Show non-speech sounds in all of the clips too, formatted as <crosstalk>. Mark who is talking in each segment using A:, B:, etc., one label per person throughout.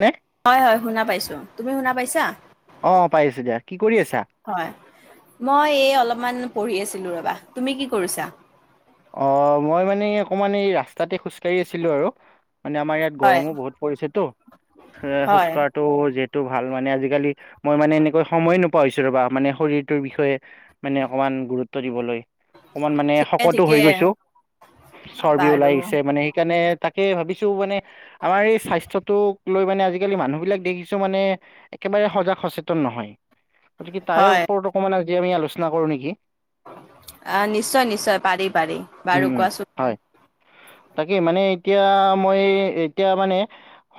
A: মে।
B: হয়, হয়, শুনা পাইছোঁ, তুমি শুনা পাইছা?
A: অ' পাই আছোঁ দিয়া, কি কৰি আছা?
B: হয়, মই এই অলপমান পঢ়ি আছিলো ৰ'বা, তুমি কি কৰিছা?
A: অ' মই মানে এই অকমান এই ৰাস্তাতে খোজকাঢ়ি আছিলো আৰু। মানে আমাৰ ইয়াত
B: হয়
A: গৰমো বহুত পৰিছে ত', এ খোজ
B: হয়
A: কঢ়াত ত' যিহেতু ভাল মানে, আজিকালি মই মানে এনেকৈ সময় নোপোৱা হৈছো ৰ'বা মানে শৰীৰটোৰ বিষয়ে। মানে অকমান গুৰুত্ব দিবলৈ, অকমান মানে
B: ঠিকে
A: শকত
B: ঠিকে
A: হৈ গৈছো, চৰ্বি
B: বাৰু
A: ওলাই আহিছে মানে সেইকাৰণে তাকে ভাবিছো মানে। আমাৰ এই স্বাস্থ্যটোক লৈ মানে আজিকালি মানুহ বিলাক দেখিছো মানে। একেবাৰে সজাগ সচেতন নহয়, গতিকে তাৰে
B: হয়
A: ওপৰত অকমান আজি আমি আলোচনা কৰোঁ নিকি।
B: অ' নিশ্চয়, নিশ্চয় পাৰি, পাৰি,
A: উম
B: বাৰু
A: উম
B: কোৱাচোন?
A: হয়, তাকে মানে এতিয়া মই এতিয়া মানে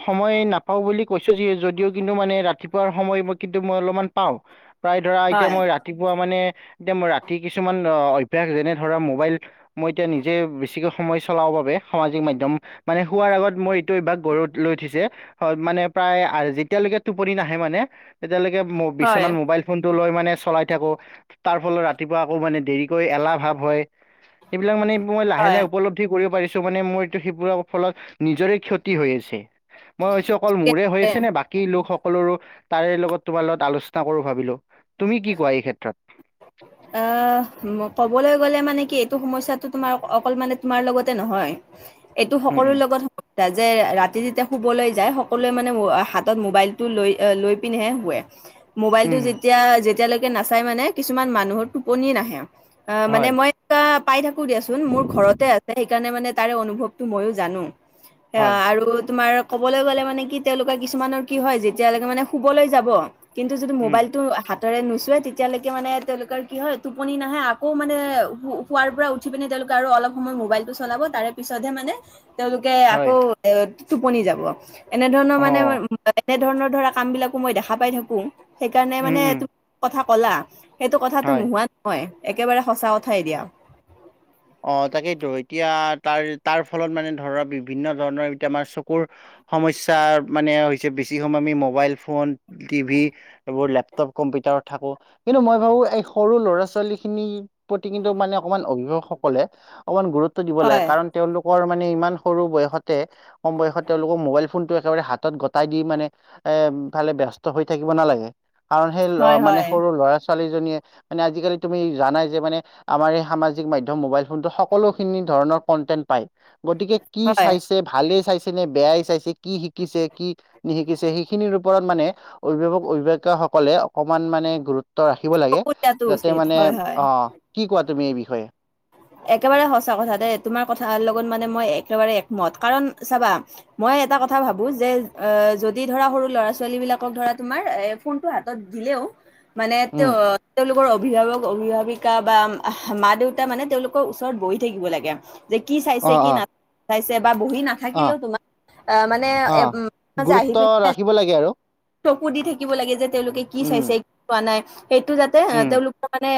A: সময় নাপাওঁ বুলি কৈছোঁ য যদিও, কিন্তু মানে ৰাতিপুৱাৰ সময় কিন্তু মই অলপমান পাওঁ। প্ৰায় ধৰা এতিয়া
B: হয়
A: মই ৰাতিপুৱা মানে, এতিয়া মই ৰাতি কিছুমান অ অভ্যাস যেনে ধৰা মো মোবাইল, মই এতিয়া নিজে বেছিকে সময় চলাওঁ বাবে সামাজিক মাধ্যম। মানে শুৱাৰ আগত মই এইটো অভ্যাস গঢ় লৈ উঠিছে। হয় মানে প্ৰায়, যেতিয়ালৈকে টোপনি নাহে মানে, তেতিয়ালৈকে
B: হয়
A: বিছনাত মোবাইল। ফোনটো লৈ মানে চলাই থাকো, তাৰ ফলত ৰাতিপুৱা আকৌ মানে দেৰিকৈ এলাহ ভাৱ হয়। এইবিলাক মানে মই
B: হয়
A: লাহে-লাহে উপলব্ধি কৰিব পাৰিছো, মানে মই। ত' সেইবোৰৰ ফলত নিজৰে ক্ষতি হৈ আছে, মই ভাবিছো অকল মোৰে হৈ
B: এ
A: আছে নে বাক কি লোকসকলৰো তাৰে লগত তোমাৰ লগত আলোচনা কৰো ভাবিলো। তুমি কি কোৱা এই ক্ষেত্ৰত?
B: অ' ক'বলে গ'লে মানে কি, এইটো সমস্যটো তোমাৰ অকল মানে তোমাৰ লগতে নহয়। এইটো
A: উম
B: সকলো
A: উম
B: লগত হ তাৰ যে ৰাতি যেতিয়া শুবলৈ যায়, সকলোৱে মানে হাতত মোবাইলটো লৈ, লৈ পিনেহে শুৱে।
A: <inaudible>
B: মোবাইলটো যেতিয়া যেতিয়ালৈকে নাচাই মানে, কিছুমান মানুহৰ টোপনি নাহে। মানে
A: হয়
B: মই পাই থাকো দিয়াচোন, মোৰ ঘৰতে আছে, সেইকাৰণে মানে তাৰে অনুভৱটো ময়ো জানো। এ
A: হয়
B: আৰু তোমাৰ। কবলৈ গ'লে মানে কি তেওঁলোকে কিছুমানৰ কি হয়, যেতিয়ালৈকে মানে শুবলৈ যাব। কিন্তু যদি
A: উম
B: মোবাইলটো হাতেৰে নুচোৱে তেতিয়ালেকে মানে তেওঁলোকৰ কি হয় টোপনি নাহে, আকৌ মানে শুৱাৰ পৰা উঠি পিনে তেওঁলোকে আৰু অলপ সময় মোবাইলটো চলাব, তাৰে পিছতহে মানে তেওঁলোকে
A: হয়
B: আকৌ এ টোপনি যাব। এনে ধৰণৰ
A: অ
B: মানে এনেধৰণৰ ধৰা কাম বিলাকো মই দেখা পাই থাকো, সেইকাৰণে
A: উম
B: মানে
A: উম
B: তুমি কথা কলা। সেইটো কথাটো
A: হয়।
B: নোহোৱা নহয়, একেবাৰে সঁচা কথাই দিয়া।
A: অ' তাকেইতো এতিয়া তাৰ তাৰ ফলত মানে ধৰা বিভিন্ন ধৰণৰ এতিয়া আমাৰ চকুৰ সমস্যা মানে হৈছে বেছি সময় আমি মোবাইল ফোন, টিভি। এইবোৰ লেপটপ, কম্পিউটাৰত থাকো। কিন্তু মই ভাবো এই সৰু ল'ৰা-ছোৱালী খিনিৰ প্ৰতি কিন্তু মানে অকমান অভিভাৱক সক কলে অকমান গুৰুত্ব দিব লাগে।
B: হয়
A: কাৰণ তেওঁলোকৰ মানে ইমান সৰু বয়সতে- কম বয়সত তেওঁলোকক মোবাইল ফোনটো একেবাৰে হাতত গটাই দি মানে এ ফালে ব্যস্ত হৈ থাকিব নালাগে। কাৰণ সেই
B: হয়
A: মানে
B: হয়
A: সৰু ল'ৰা ছোৱা ছোৱালীজনীয়ে মানে আজিকালি তুমি জানাই যে, মানে আমাৰ এই সামাজিক মাধ্য ম'বাইল ফোনটো সকলোখিনি ধৰণৰ কণ্টেন্ত পায়। গতিকে কি
B: হয়
A: চাইছ ভালেই চাইছে নে, বেয়াই চাইছে কি শিকিছে কি নিশিকিছে, সেইখিনিৰ ওপৰত মানে অভিভাৱক-অভিভাৱিকা সকলে অকমান মানে গুৰু ত্ব ৰাখিব লাগে,
B: চকু দিয়াটো
A: যাতে
B: উচিত
A: মানে
B: হয় হয়
A: অ' কি কোৱা তুমি এই বিষয়ে?
B: একেবাৰে সঁচা কথা দে তোমাৰ কথাৰ লগত মানে মই একেবাৰে একমত। কাৰণ চাবা মই এটা কথা ভাবো যে অ' যদি ধৰা সৰু ল'ৰা-ছোৱালী বিলাকক ধৰা তোমাৰ এ- ফোনটো হাতত দিলেও। মানে
A: উম
B: তেওঁ-তেওঁলোকৰ অভিভাৱক-অভিভাৱিকা বা মা, দেউতাই মানে তেওঁলোক ওচৰত বহি থাকিব লাগে। যে কি
A: অ
B: চাইছে কি
A: অ
B: না চাইছে বা বহি না
A: অ
B: থাকিলেও তোমাৰ মানে
A: অ
B: আহি
A: গুৰুত্ব
B: পিনে
A: ৰাখিব লাগে আৰু
B: চকু দি থাকিব লাগে যে তেওঁলোকে কি
A: উম
B: চাইছে কি চোৱা নাই সেইটো যাতে
A: উম
B: তেওঁলোকে মানে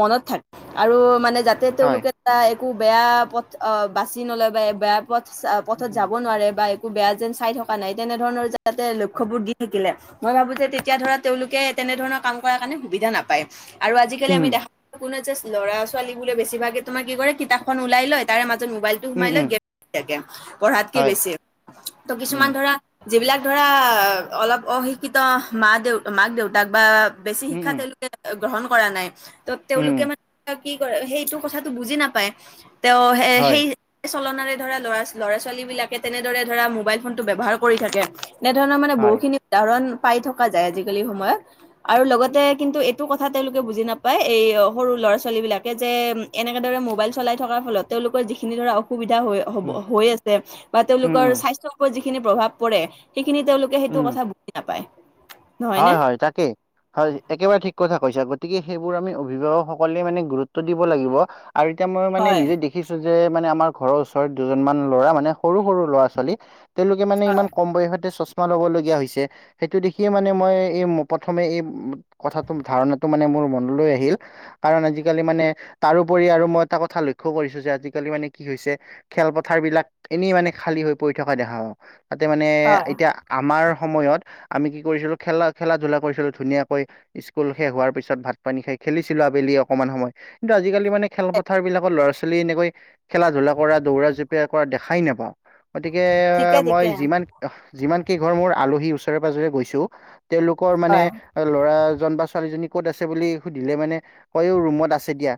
B: মনত থাকে আৰু মানে যাতে
A: হয়
B: তেওঁলোকে এটা একো বেয়া পথ বাছি নলয় বা বেয়া পথ পথত যাব
A: উম
B: নোৱাৰে বা বেয়া যেন চাই থকা নাই। তেনেধৰণৰ যাতে লক্ষ্য বোৰ দি থাকিলে মই ভাবো যে তেতিয়া ধৰা তেওঁলোকে তেনেধৰণৰ কাম কৰাৰ কাৰণে সুবিধা নাপায়। আৰু আজিকালি
A: উম
B: আমি দেখা কোনো জাচ লৰা-ছোৱালী বোলে বেছি ভাগে তোমাৰ কি কৰে কিতাপখন ওলাই লয় তাৰে মাজত মোবাইল টো
A: উম
B: সোমাই লৈ
A: উম
B: গেম খেলি থাকে, পঢ়াতকে
A: হয়
B: বেছি। ত'
A: উম
B: কিছুমান ধৰা যিবিলাক ধৰা অলপ অশিক্ষিত মা-দেউ, মাক-দেউতাক বা বেছি
A: উম
B: শিক্ষা
A: উম
B: তেওঁলোকে গ্ৰহণ কৰা নাই। ত'
A: উম
B: তেওঁলোকে মানে কি কৰে সেইটো কথা টো বুজি নাপায়। তেওঁ
A: হয়
B: সেই সে‌ চলনাৰে ধৰা লৰা ল'ৰা-ছোৱালী বিলাকে তেনেদৰে ধৰা মোবাইল ফোনটো ব্যৱহাৰ কৰি থাকে। এনেধৰণৰ মানে
A: হয়
B: বহুতখিনি উদাহৰণ পায় থকা যায় আজিকালি সময়ত। আৰু লগতে কিন্তু এইটো কথা তেওঁলোকে বুজি নাপায় এ ই সৰু ল'ৰা-ছোৱালী বিলাকে যে এনেকে দৰে মোবাইল চলাই থকাৰ ফলত তেওঁলোকৰ যিখিনি ধৰা অস সুবিধা হৈ হব
A: উম
B: হৈ আছে বা
A: উম
B: তেওঁলোকৰ
A: উম
B: স্বাস্থ্যৰ ওপৰত যিখিনি প্ৰভাৱ পৰে, সেইখিনি তেওঁলোকৰ তে সেইটো
A: উম
B: কথা বুজি নাপায়। নহয় নে?
A: হয় হয় তাকে! হয় একেবাৰে ঠিক কথা কৈছা! গতিকে সেইবোৰ আমি অভিভাৱকসকলে মানে গুৰুত্ব দিব লাগিব। আৰু এতিয়া মই মানে
B: হয়
A: নিজে দেখ দেখিছো যে মানে আমাৰ ঘৰৰ ওচৰত দুজনমান ল'ৰা মানে সৰু সৰু ল'ৰা-ছোৱালী। তেওঁলোকে মানে ইমান কম বয়সতে চশমা ল'ব লগীয়া হৈছে। সেইটো দেখি <unintelligible> এই প্ৰথমে এই কথাটো ধাৰণাটো মানে মোৰ মনলৈ আহিল। কাৰণ আজিকালি মানে তাৰোপৰি আৰু মই এটা কথা লক্ষ্য কৰিছো যে আজিকালি মানে কি হৈছে। খেলপথাৰবিলাক এনেই মানে খালী হৈ পৰি থকা দেখা পাও। তাতে মানে
B: হয়
A: ‌এ এতিয়া আমাৰ সময়ত আমি কি কৰিছিলো খেলা খেলা-ধূলা কৰিছিলো ধুনীয়াকৈ। স্কুল শেষ হোৱাৰ পিছত ভাত-পানী খাই খেলিছিলো আবেলি অকমান সময়। ন্তু আজিকালি মানে খেলপথাৰ বিলাকৰ ল'ৰা ছোৱালী এনেকৈ খেলা ধূলা কৰা, দৌৰা জপিয়ীয়া কৰা, দেখাই নাপাওঁ। গতিকে
B: ঠিকে
A: আহ মই
B: ঠিকে
A: যিমান যিমান কিই ঘৰ মোৰ আলহী ওচৰে পাজৰে গৈছো তেওঁলোকৰ মানে
B: হয়
A: ল'ৰাজন বা ছোৱালীজনী ক'ত আছে, বুলি সুধিলে মানে কয়ও ৰুমত আছে দিয়া।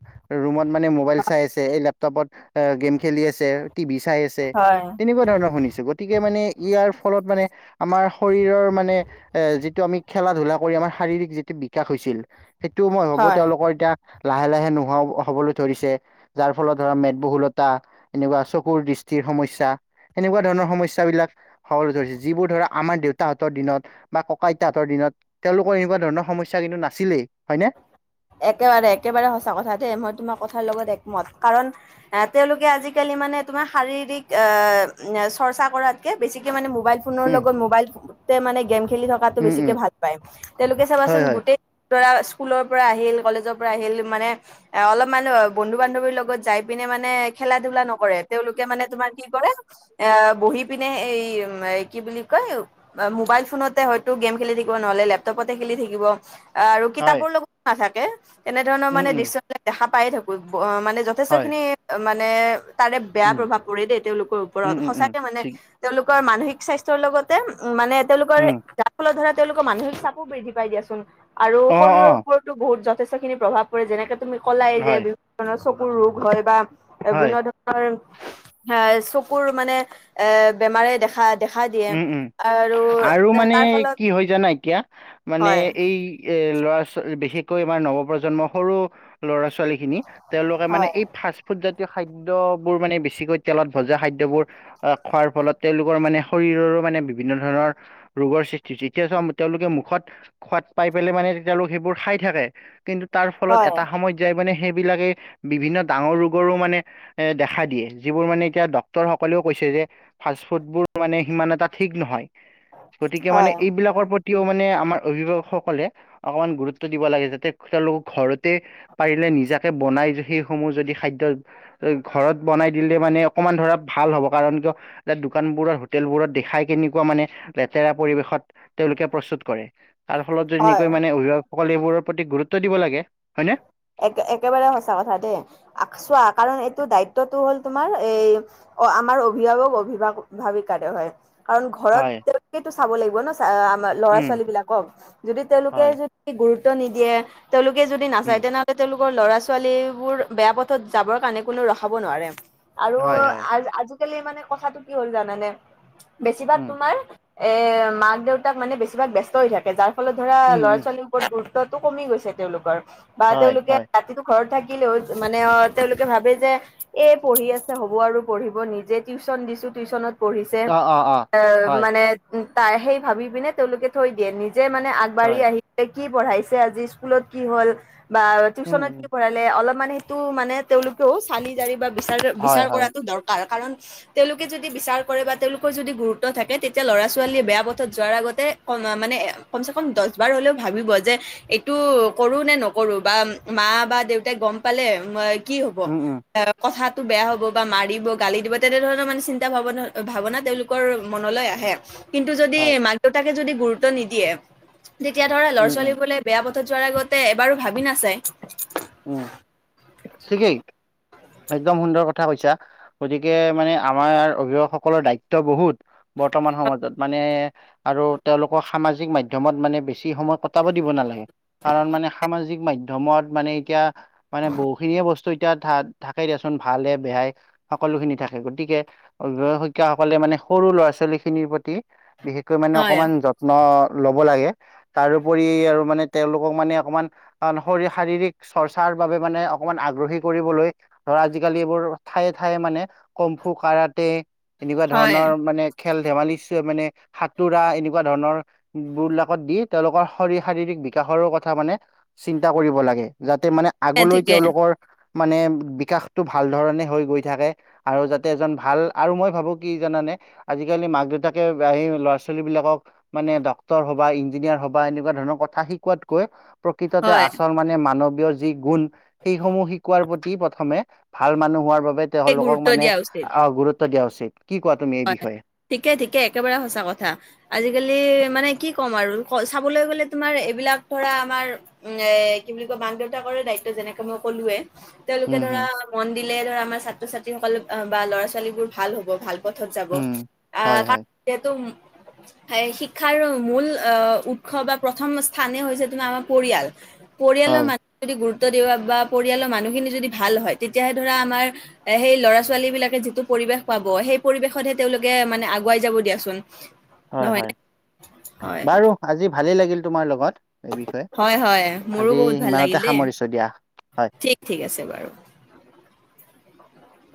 A: ৰুমত মানে মোবাইল চাই আছে এই লেপটপত অ গেম খেলি আছে, টিভি চাই আছে,
B: হয়
A: তেনেকুৱা ধৰণৰ শুনিছো। গতিকে মানে ইয়াৰ ফলত মানে আমাৰ শৰীৰৰ মানে এ যিটো আমি খেলা ধূলা কৰি আমাৰ শাৰীৰিক যিটো বিকাশ হৈছিল, সেইটো মই ভাবো
B: হয়
A: তেওঁলোকৰ এতিয়া লাহে লাহে নোহোৱাও হবলৈ ধৰিছে। যাৰ ফলত ধৰা মেদবহুলতা এনেকুৱা চকুৰ দৃষ্টিৰ সমস্যা। সেনেকুৱা ধৰণৰ সমস্যাবিলাক হবলৈ ধৰিছে। যিবোৰ ধৰা আমাৰ দেউতাহঁতৰ দিনত বা কঁকা আইতাহতৰ দিনত তেওঁলোকৰ এনেকুৱা ধৰণৰ সমস্যা কিন্তু নাছিলেই, হয়নে?
B: একেবাৰে, একেবাৰে সঁচা কথা দেই। মই তোমাৰ কথাৰ লগত একমত, কাৰণ আহ তেওঁলোকে আজিকালি মানে তোমাৰ শাৰীৰিক আ‌ চৰ্চা কৰাতকে বেছিকে মানে মবাইল ফোন
A: উম
B: লগত মোবাইল মানে গেম খেলি থকাটো
A: উম উম
B: বেছিকে ভাল পায় তেওঁলোকে চাবাচোন
A: হয় হয়
B: গোটেই তৰা স্কুলৰ পৰা আহিল, কলেজৰ পৰা আহিল মানে এ অলপ মান বন্ধু বান্ধৱীৰ লগত যাই পিনে মানে খেলা ধলা নকৰে। তেওঁলোকে মানে তোমাৰ কি কৰে? এ বহি পিনে এই ওম কি বুলি কয় মোবাইল ফোনতে হয়তো গেম খেলি থাকিব নহলে লেপটপতে খেলি থাকিব।
A: হয়
B: কিতাপৰ লগতো নাথাকে, তেনেধৰণৰ
A: উম
B: মানে
A: উম
B: দৃশ্য দেখা পাই থাকো মানে যথেষ্ট
A: হয়
B: খিনি মানে তাৰে বেয়া
A: উম
B: প্ৰভাৱ পৰে দেই, তেওঁলোকৰ ওপৰত
A: উম উম উম
B: সঁচাকে মানে।
A: ঠিক
B: তেওঁলোকৰ মানসিক স্বাস্থ্য লগতে উ মানে তেওঁলোকৰ
A: উম
B: যাৰ ফলত ধৰা তেওঁলোকৰ মানসিক চাপো বৃদ্ধি পাই দিয়াচোন আৰু
A: অ অ
B: শৰীৰৰ ওপৰতো বহুত যথেষ্টখিনি প্ৰভাৱ পৰে যেনেকে তুমি কলাই, যে
A: হয়
B: বিহু চকুৰ ৰোগ হয় বা
A: হয়
B: বিভিন্ন ধৰণৰ অঁ এ চকুৰ মানে এ বেমাৰে দেখা দিয়ে
A: উম উম
B: আৰু
A: আৰু মানে
B: তাৰ ফলত
A: কি হয় জানা এতিয়া মানে
B: হয়
A: এই এ ল'ৰা ছোৱালী বিশেষকৈ আমাৰ নৱ প্ৰজন্মৰ সৰু ল'ৰা ছোৱালীক কিনি তেওঁলোকে মানে
B: হয়
A: এই ফাচ ফুটজাতীয় খাদ্যয়বোৰ মানে বেছিকৈ তেলত ভজা খাদ্যবোৰ আহ খোৱাৰ ফলত তেওঁলোকৰ মানে শৰীৰৰো মানে বিভিন্ন ধৰণৰ ৰোগৰ সৃষ্টি হৈছে এতিয়া চ তেওঁলোকে মুখত সোৱাদ পাই পেলাই মানে তেওলোক সেইবোৰ খাই থাকে কিন্তু তাৰ ফলত
B: হয়
A: এটা সময় যাই মানে সেইবিলাকে বিভিন্ন ডাঙৰ ৰোগৰো মানে এ দেখা দিয়ে যিবোৰ মানে এতিয়া ডক্তৰ সকলেও কৈছে যে ফাষ্ট ফুডবোৰ মানে সিমান এটা ঠিক নহয় গতিকে মানে
B: হয়
A: এইবিলাকৰ প্ৰতি তেওঁ মানে আমাৰ অভিভাৱকসকলে অকমান গুৰুত্ব দিব লাগে যাতে তেওঁলোকৰ ঘৰত তে পাৰিলে নিজাকে বনাই সেইসমূহ যদি খাদ্য ঘৰত বনাই দিলে মানে অকমান ধৰা ভাল হ'ব কাৰণ কিয় দোকান বোৰত হোটেলবোৰত দেখাই কেনেকুৱা মানে লেতেৰা পৰিবেশত তেওঁলোকে প্ৰস্তুত কৰে তাৰ ফলত যদি
B: হয়
A: এনেকৈ মানে অভিভাৱসকলে এইবোৰৰ প্ৰতি গুৰুত্ব দিব লাগে হয় নে
B: এক একেবাৰে সঁচা কথা দেই চোৱা কাৰণ এইটো দায়িত্বটো হ'ল তোমাৰ এই অ আমাৰ অভিভাৱক অভিভাৱ ভাৱিকে হয় কাৰণ ঘৰত
A: হয়
B: তেওঁলোটো চাব লাগিব ন চ আমাৰ ল'ৰা
A: উম
B: ছোৱালী বিলাকক যদি তেওঁলোকে
A: হয়
B: য গুৰুত্ব নিদিয়ে তেওঁলোকে যদি নাচায়
A: উম
B: তেনেহ'লে লোকৰ ল'ৰা ছোৱালী বোৰ বেয়া পথত যাবৰ কাৰণে কোনো ৰখাব নোৱাৰে আৰু
A: হয় হয়
B: আজিকালি মানে কথাটো কি হ'ল জানানে বেছিভাগ
A: উম
B: তোমাৰ এ মাক দেউতাক মানে বেছিভাগ ব্যস্ত হৈ থাকে যাৰ ফলত ধৰা
A: উম
B: ল'ৰা
A: উম
B: ছোৱালীও ওপৰত গুৰুত্বটো কমি গৈছে তেওঁলোকৰ বা
A: হয়
B: তেওঁলোক
A: হয়
B: ৰাতিটো ঘৰত থাকিলেও মানে অ তেওঁলোকে ভাবে যে এই পঢ়ি আছে হ'ব আৰু পঢ়িব নিজে টিউচন দিছো টিউচনত পঢ়িছে
A: অ অ অ
B: আহ
A: হয়
B: মানে তাৰ সেই ভাবি পিনে তেওঁলোকে থৈ দিয়ে নিজে মানে আগ
A: হয়
B: বাঢ়ি আহি পিনে কি পঢ়াইছে আজি স্কুলত কি হ'ল বা
A: উম
B: টিউচনত
A: উম
B: কি পঢ়াই লে অলপমান সেইটো মানে তেওঁলোকেও চালি জাৰি বা বিচাৰ
A: হয়
B: বিচাৰ
A: হয়
B: কৰাটো দৰকাৰ কাৰণ তেওঁলোকে যদি বিচাৰ কৰে বা তেওঁলোকৰ যদি গুৰুত্ব থাকে তেতিয়া ল'ৰা ছোৱালীয়ে বেয়া পথত যোৱাৰ আগতে কমা মানে কমচে কম দহ বাৰ হ'লেও ভাবিব যে এইটো কৰো নে নকৰো বা মা বা দেউতাই গম পালে কি হ'ব
A: উম উম
B: কথাটো বেয়া হ'ব বা মাৰিব গালি দিব তেনেধৰণৰ মানে চিন্তা ভাৱনা ভাৱনা তেওঁলোকৰ মনলৈ আহে কিন্তু যদি
A: হয়
B: মাক দেউতাকে যদি গুৰুত্ব নিদিয়ে তেতিয়া ধৰা ল'ৰা
A: উম উম
B: ছোৱালী বোলে বেয়া যোৱাৰ আগতে এবাৰো ভাবি নাচাই
A: উম ঠিকেই একদম সুন্দৰ কথা কৈছা গতিকে মানে আমাৰ অভিভাৱকসকলৰ দায়িত্ব বহুত বৰ্তমান সমাজত মানে আৰু তেওঁলোক সামাজিক মাধ্যমত মানে বেছি সময় কটাব দিব নালাগে কাৰণ মানে সামাজিক মাধ্যমত মানে এতিয়া মানে বহুখিনিয়ে বস্তু এতিয়া থাকে দিয়াচোন ভালে বেয়াই সকলো খিনি থাকে গতিকে অভিভাৱকসকলে মানে সৰু ল'ৰা ছোৱালী খিনিৰ প্ৰতি বিশেষকৈ মানে
B: হয়
A: অকণমান যত ন ল'ব লাগে তাৰ ওপৰি আৰু মানে তেওঁলোকক মানে অকমান শ শাৰীৰিক চৰ্চাৰ বাবে মানে অকমান আগ্ৰহী কৰিবলৈ ধৰ আজিকালি এইবোৰ ঠায়ে ঠায়ে মানে কম্ফু কাৰাতে এনেকুৱা
B: হয়
A: ধৰণৰ মানে খেল ধেমালি চ মানে সাঁতোৰা এনেকুৱা ধৰণৰ বিলাকত দি তেওঁলোকৰ শৰ শাৰীৰিক বিকাশৰ কথা মানে চিন্তা কৰিব লাগে যাতে মানে আগলৈ
B: ঠিকে
A: তেওঁলোকৰ মানে বিকাশটো ভাল ধৰণে হৈ গৈ থাকে আৰু যাতে এজন ভাল আৰু মই ভাবো কি জানানে আজিকালি মাক দেউতাকে আহি ল'ৰা ছোৱালী বিলাকক মানে ডক্তৰ হবা ইঞ্জিনিয়াৰ হবা এনেকুৱা ধৰণৰ কথা শিকোৱাতকৈ প্ৰকৃততে
B: হয়
A: আচল মানে মানৱ ৱীয় যি গুণ সেইসমূহ শিকোৱাৰ প্ৰতি প্ৰথমে ভাল মানুহ হোৱাৰ বাবে তেওঁলোকক
B: গুৰুত্ব
A: মানে
B: দিয়া উচিত
A: অ গুৰুত্ব দিয়া উচিত কি কোৱা তুমি এই বিষয়ে
B: ঠিকেই ঠিকে একেবাৰে সঁচা কথা আজিকালি মানে কি ক'ম আৰু চাবলৈ গ'লে তোমাৰ এইবিলাক ধৰা আমাৰ। এ কি বুলি কয় মাক দেউতাকৰে দায়িত্ব যেনেকে মই ক'লোৱে। তেওঁলোকে
A: উম
B: ধৰা
A: হম
B: মন দিলে ধৰা আমাৰ ছাত্ৰ ছাত্ৰীসকলে বা ল'ৰা ছোৱালী বোৰ ভাল হ'ব ভাল। পথত যাব
A: উম
B: আহ
A: হয় হয়
B: কাৰণ যিহেতু। শিক্ষাৰ আৰু মূল আহ উৎস বা প্ৰথম স্থানেই হৈছে তোমাৰ আমাৰ পৰিয়াল। পৰিয়ালৰ
A: হয়
B: মানুহ যদি গুৰুত্ব দিয়া বা পৰিয়ালৰ মানুহখিনি যদি ভাল হয় তেতিয়াহে ধৰা আমাৰ। এ সেই ল'ৰা ছোৱালী বিলাকে যিটো পৰিৱেশ পাব সেই। পৰিৱেশতহে তেওঁলোকে মানে আগুৱাই যাব দিয়াচোন।
A: হয়
B: নহয় নে
A: হয়
B: হয়
A: বাৰু আজি ভালেই লাগিল তোমাৰ লগত। এই বিষয়ে
B: হয় হয় মোৰো
A: আজি
B: বহুত ভাল লাগিল
A: সিমানতে
B: দেই
A: সামৰিছো দিয়া। হয়
B: ঠিক ঠিক আছে বাৰু।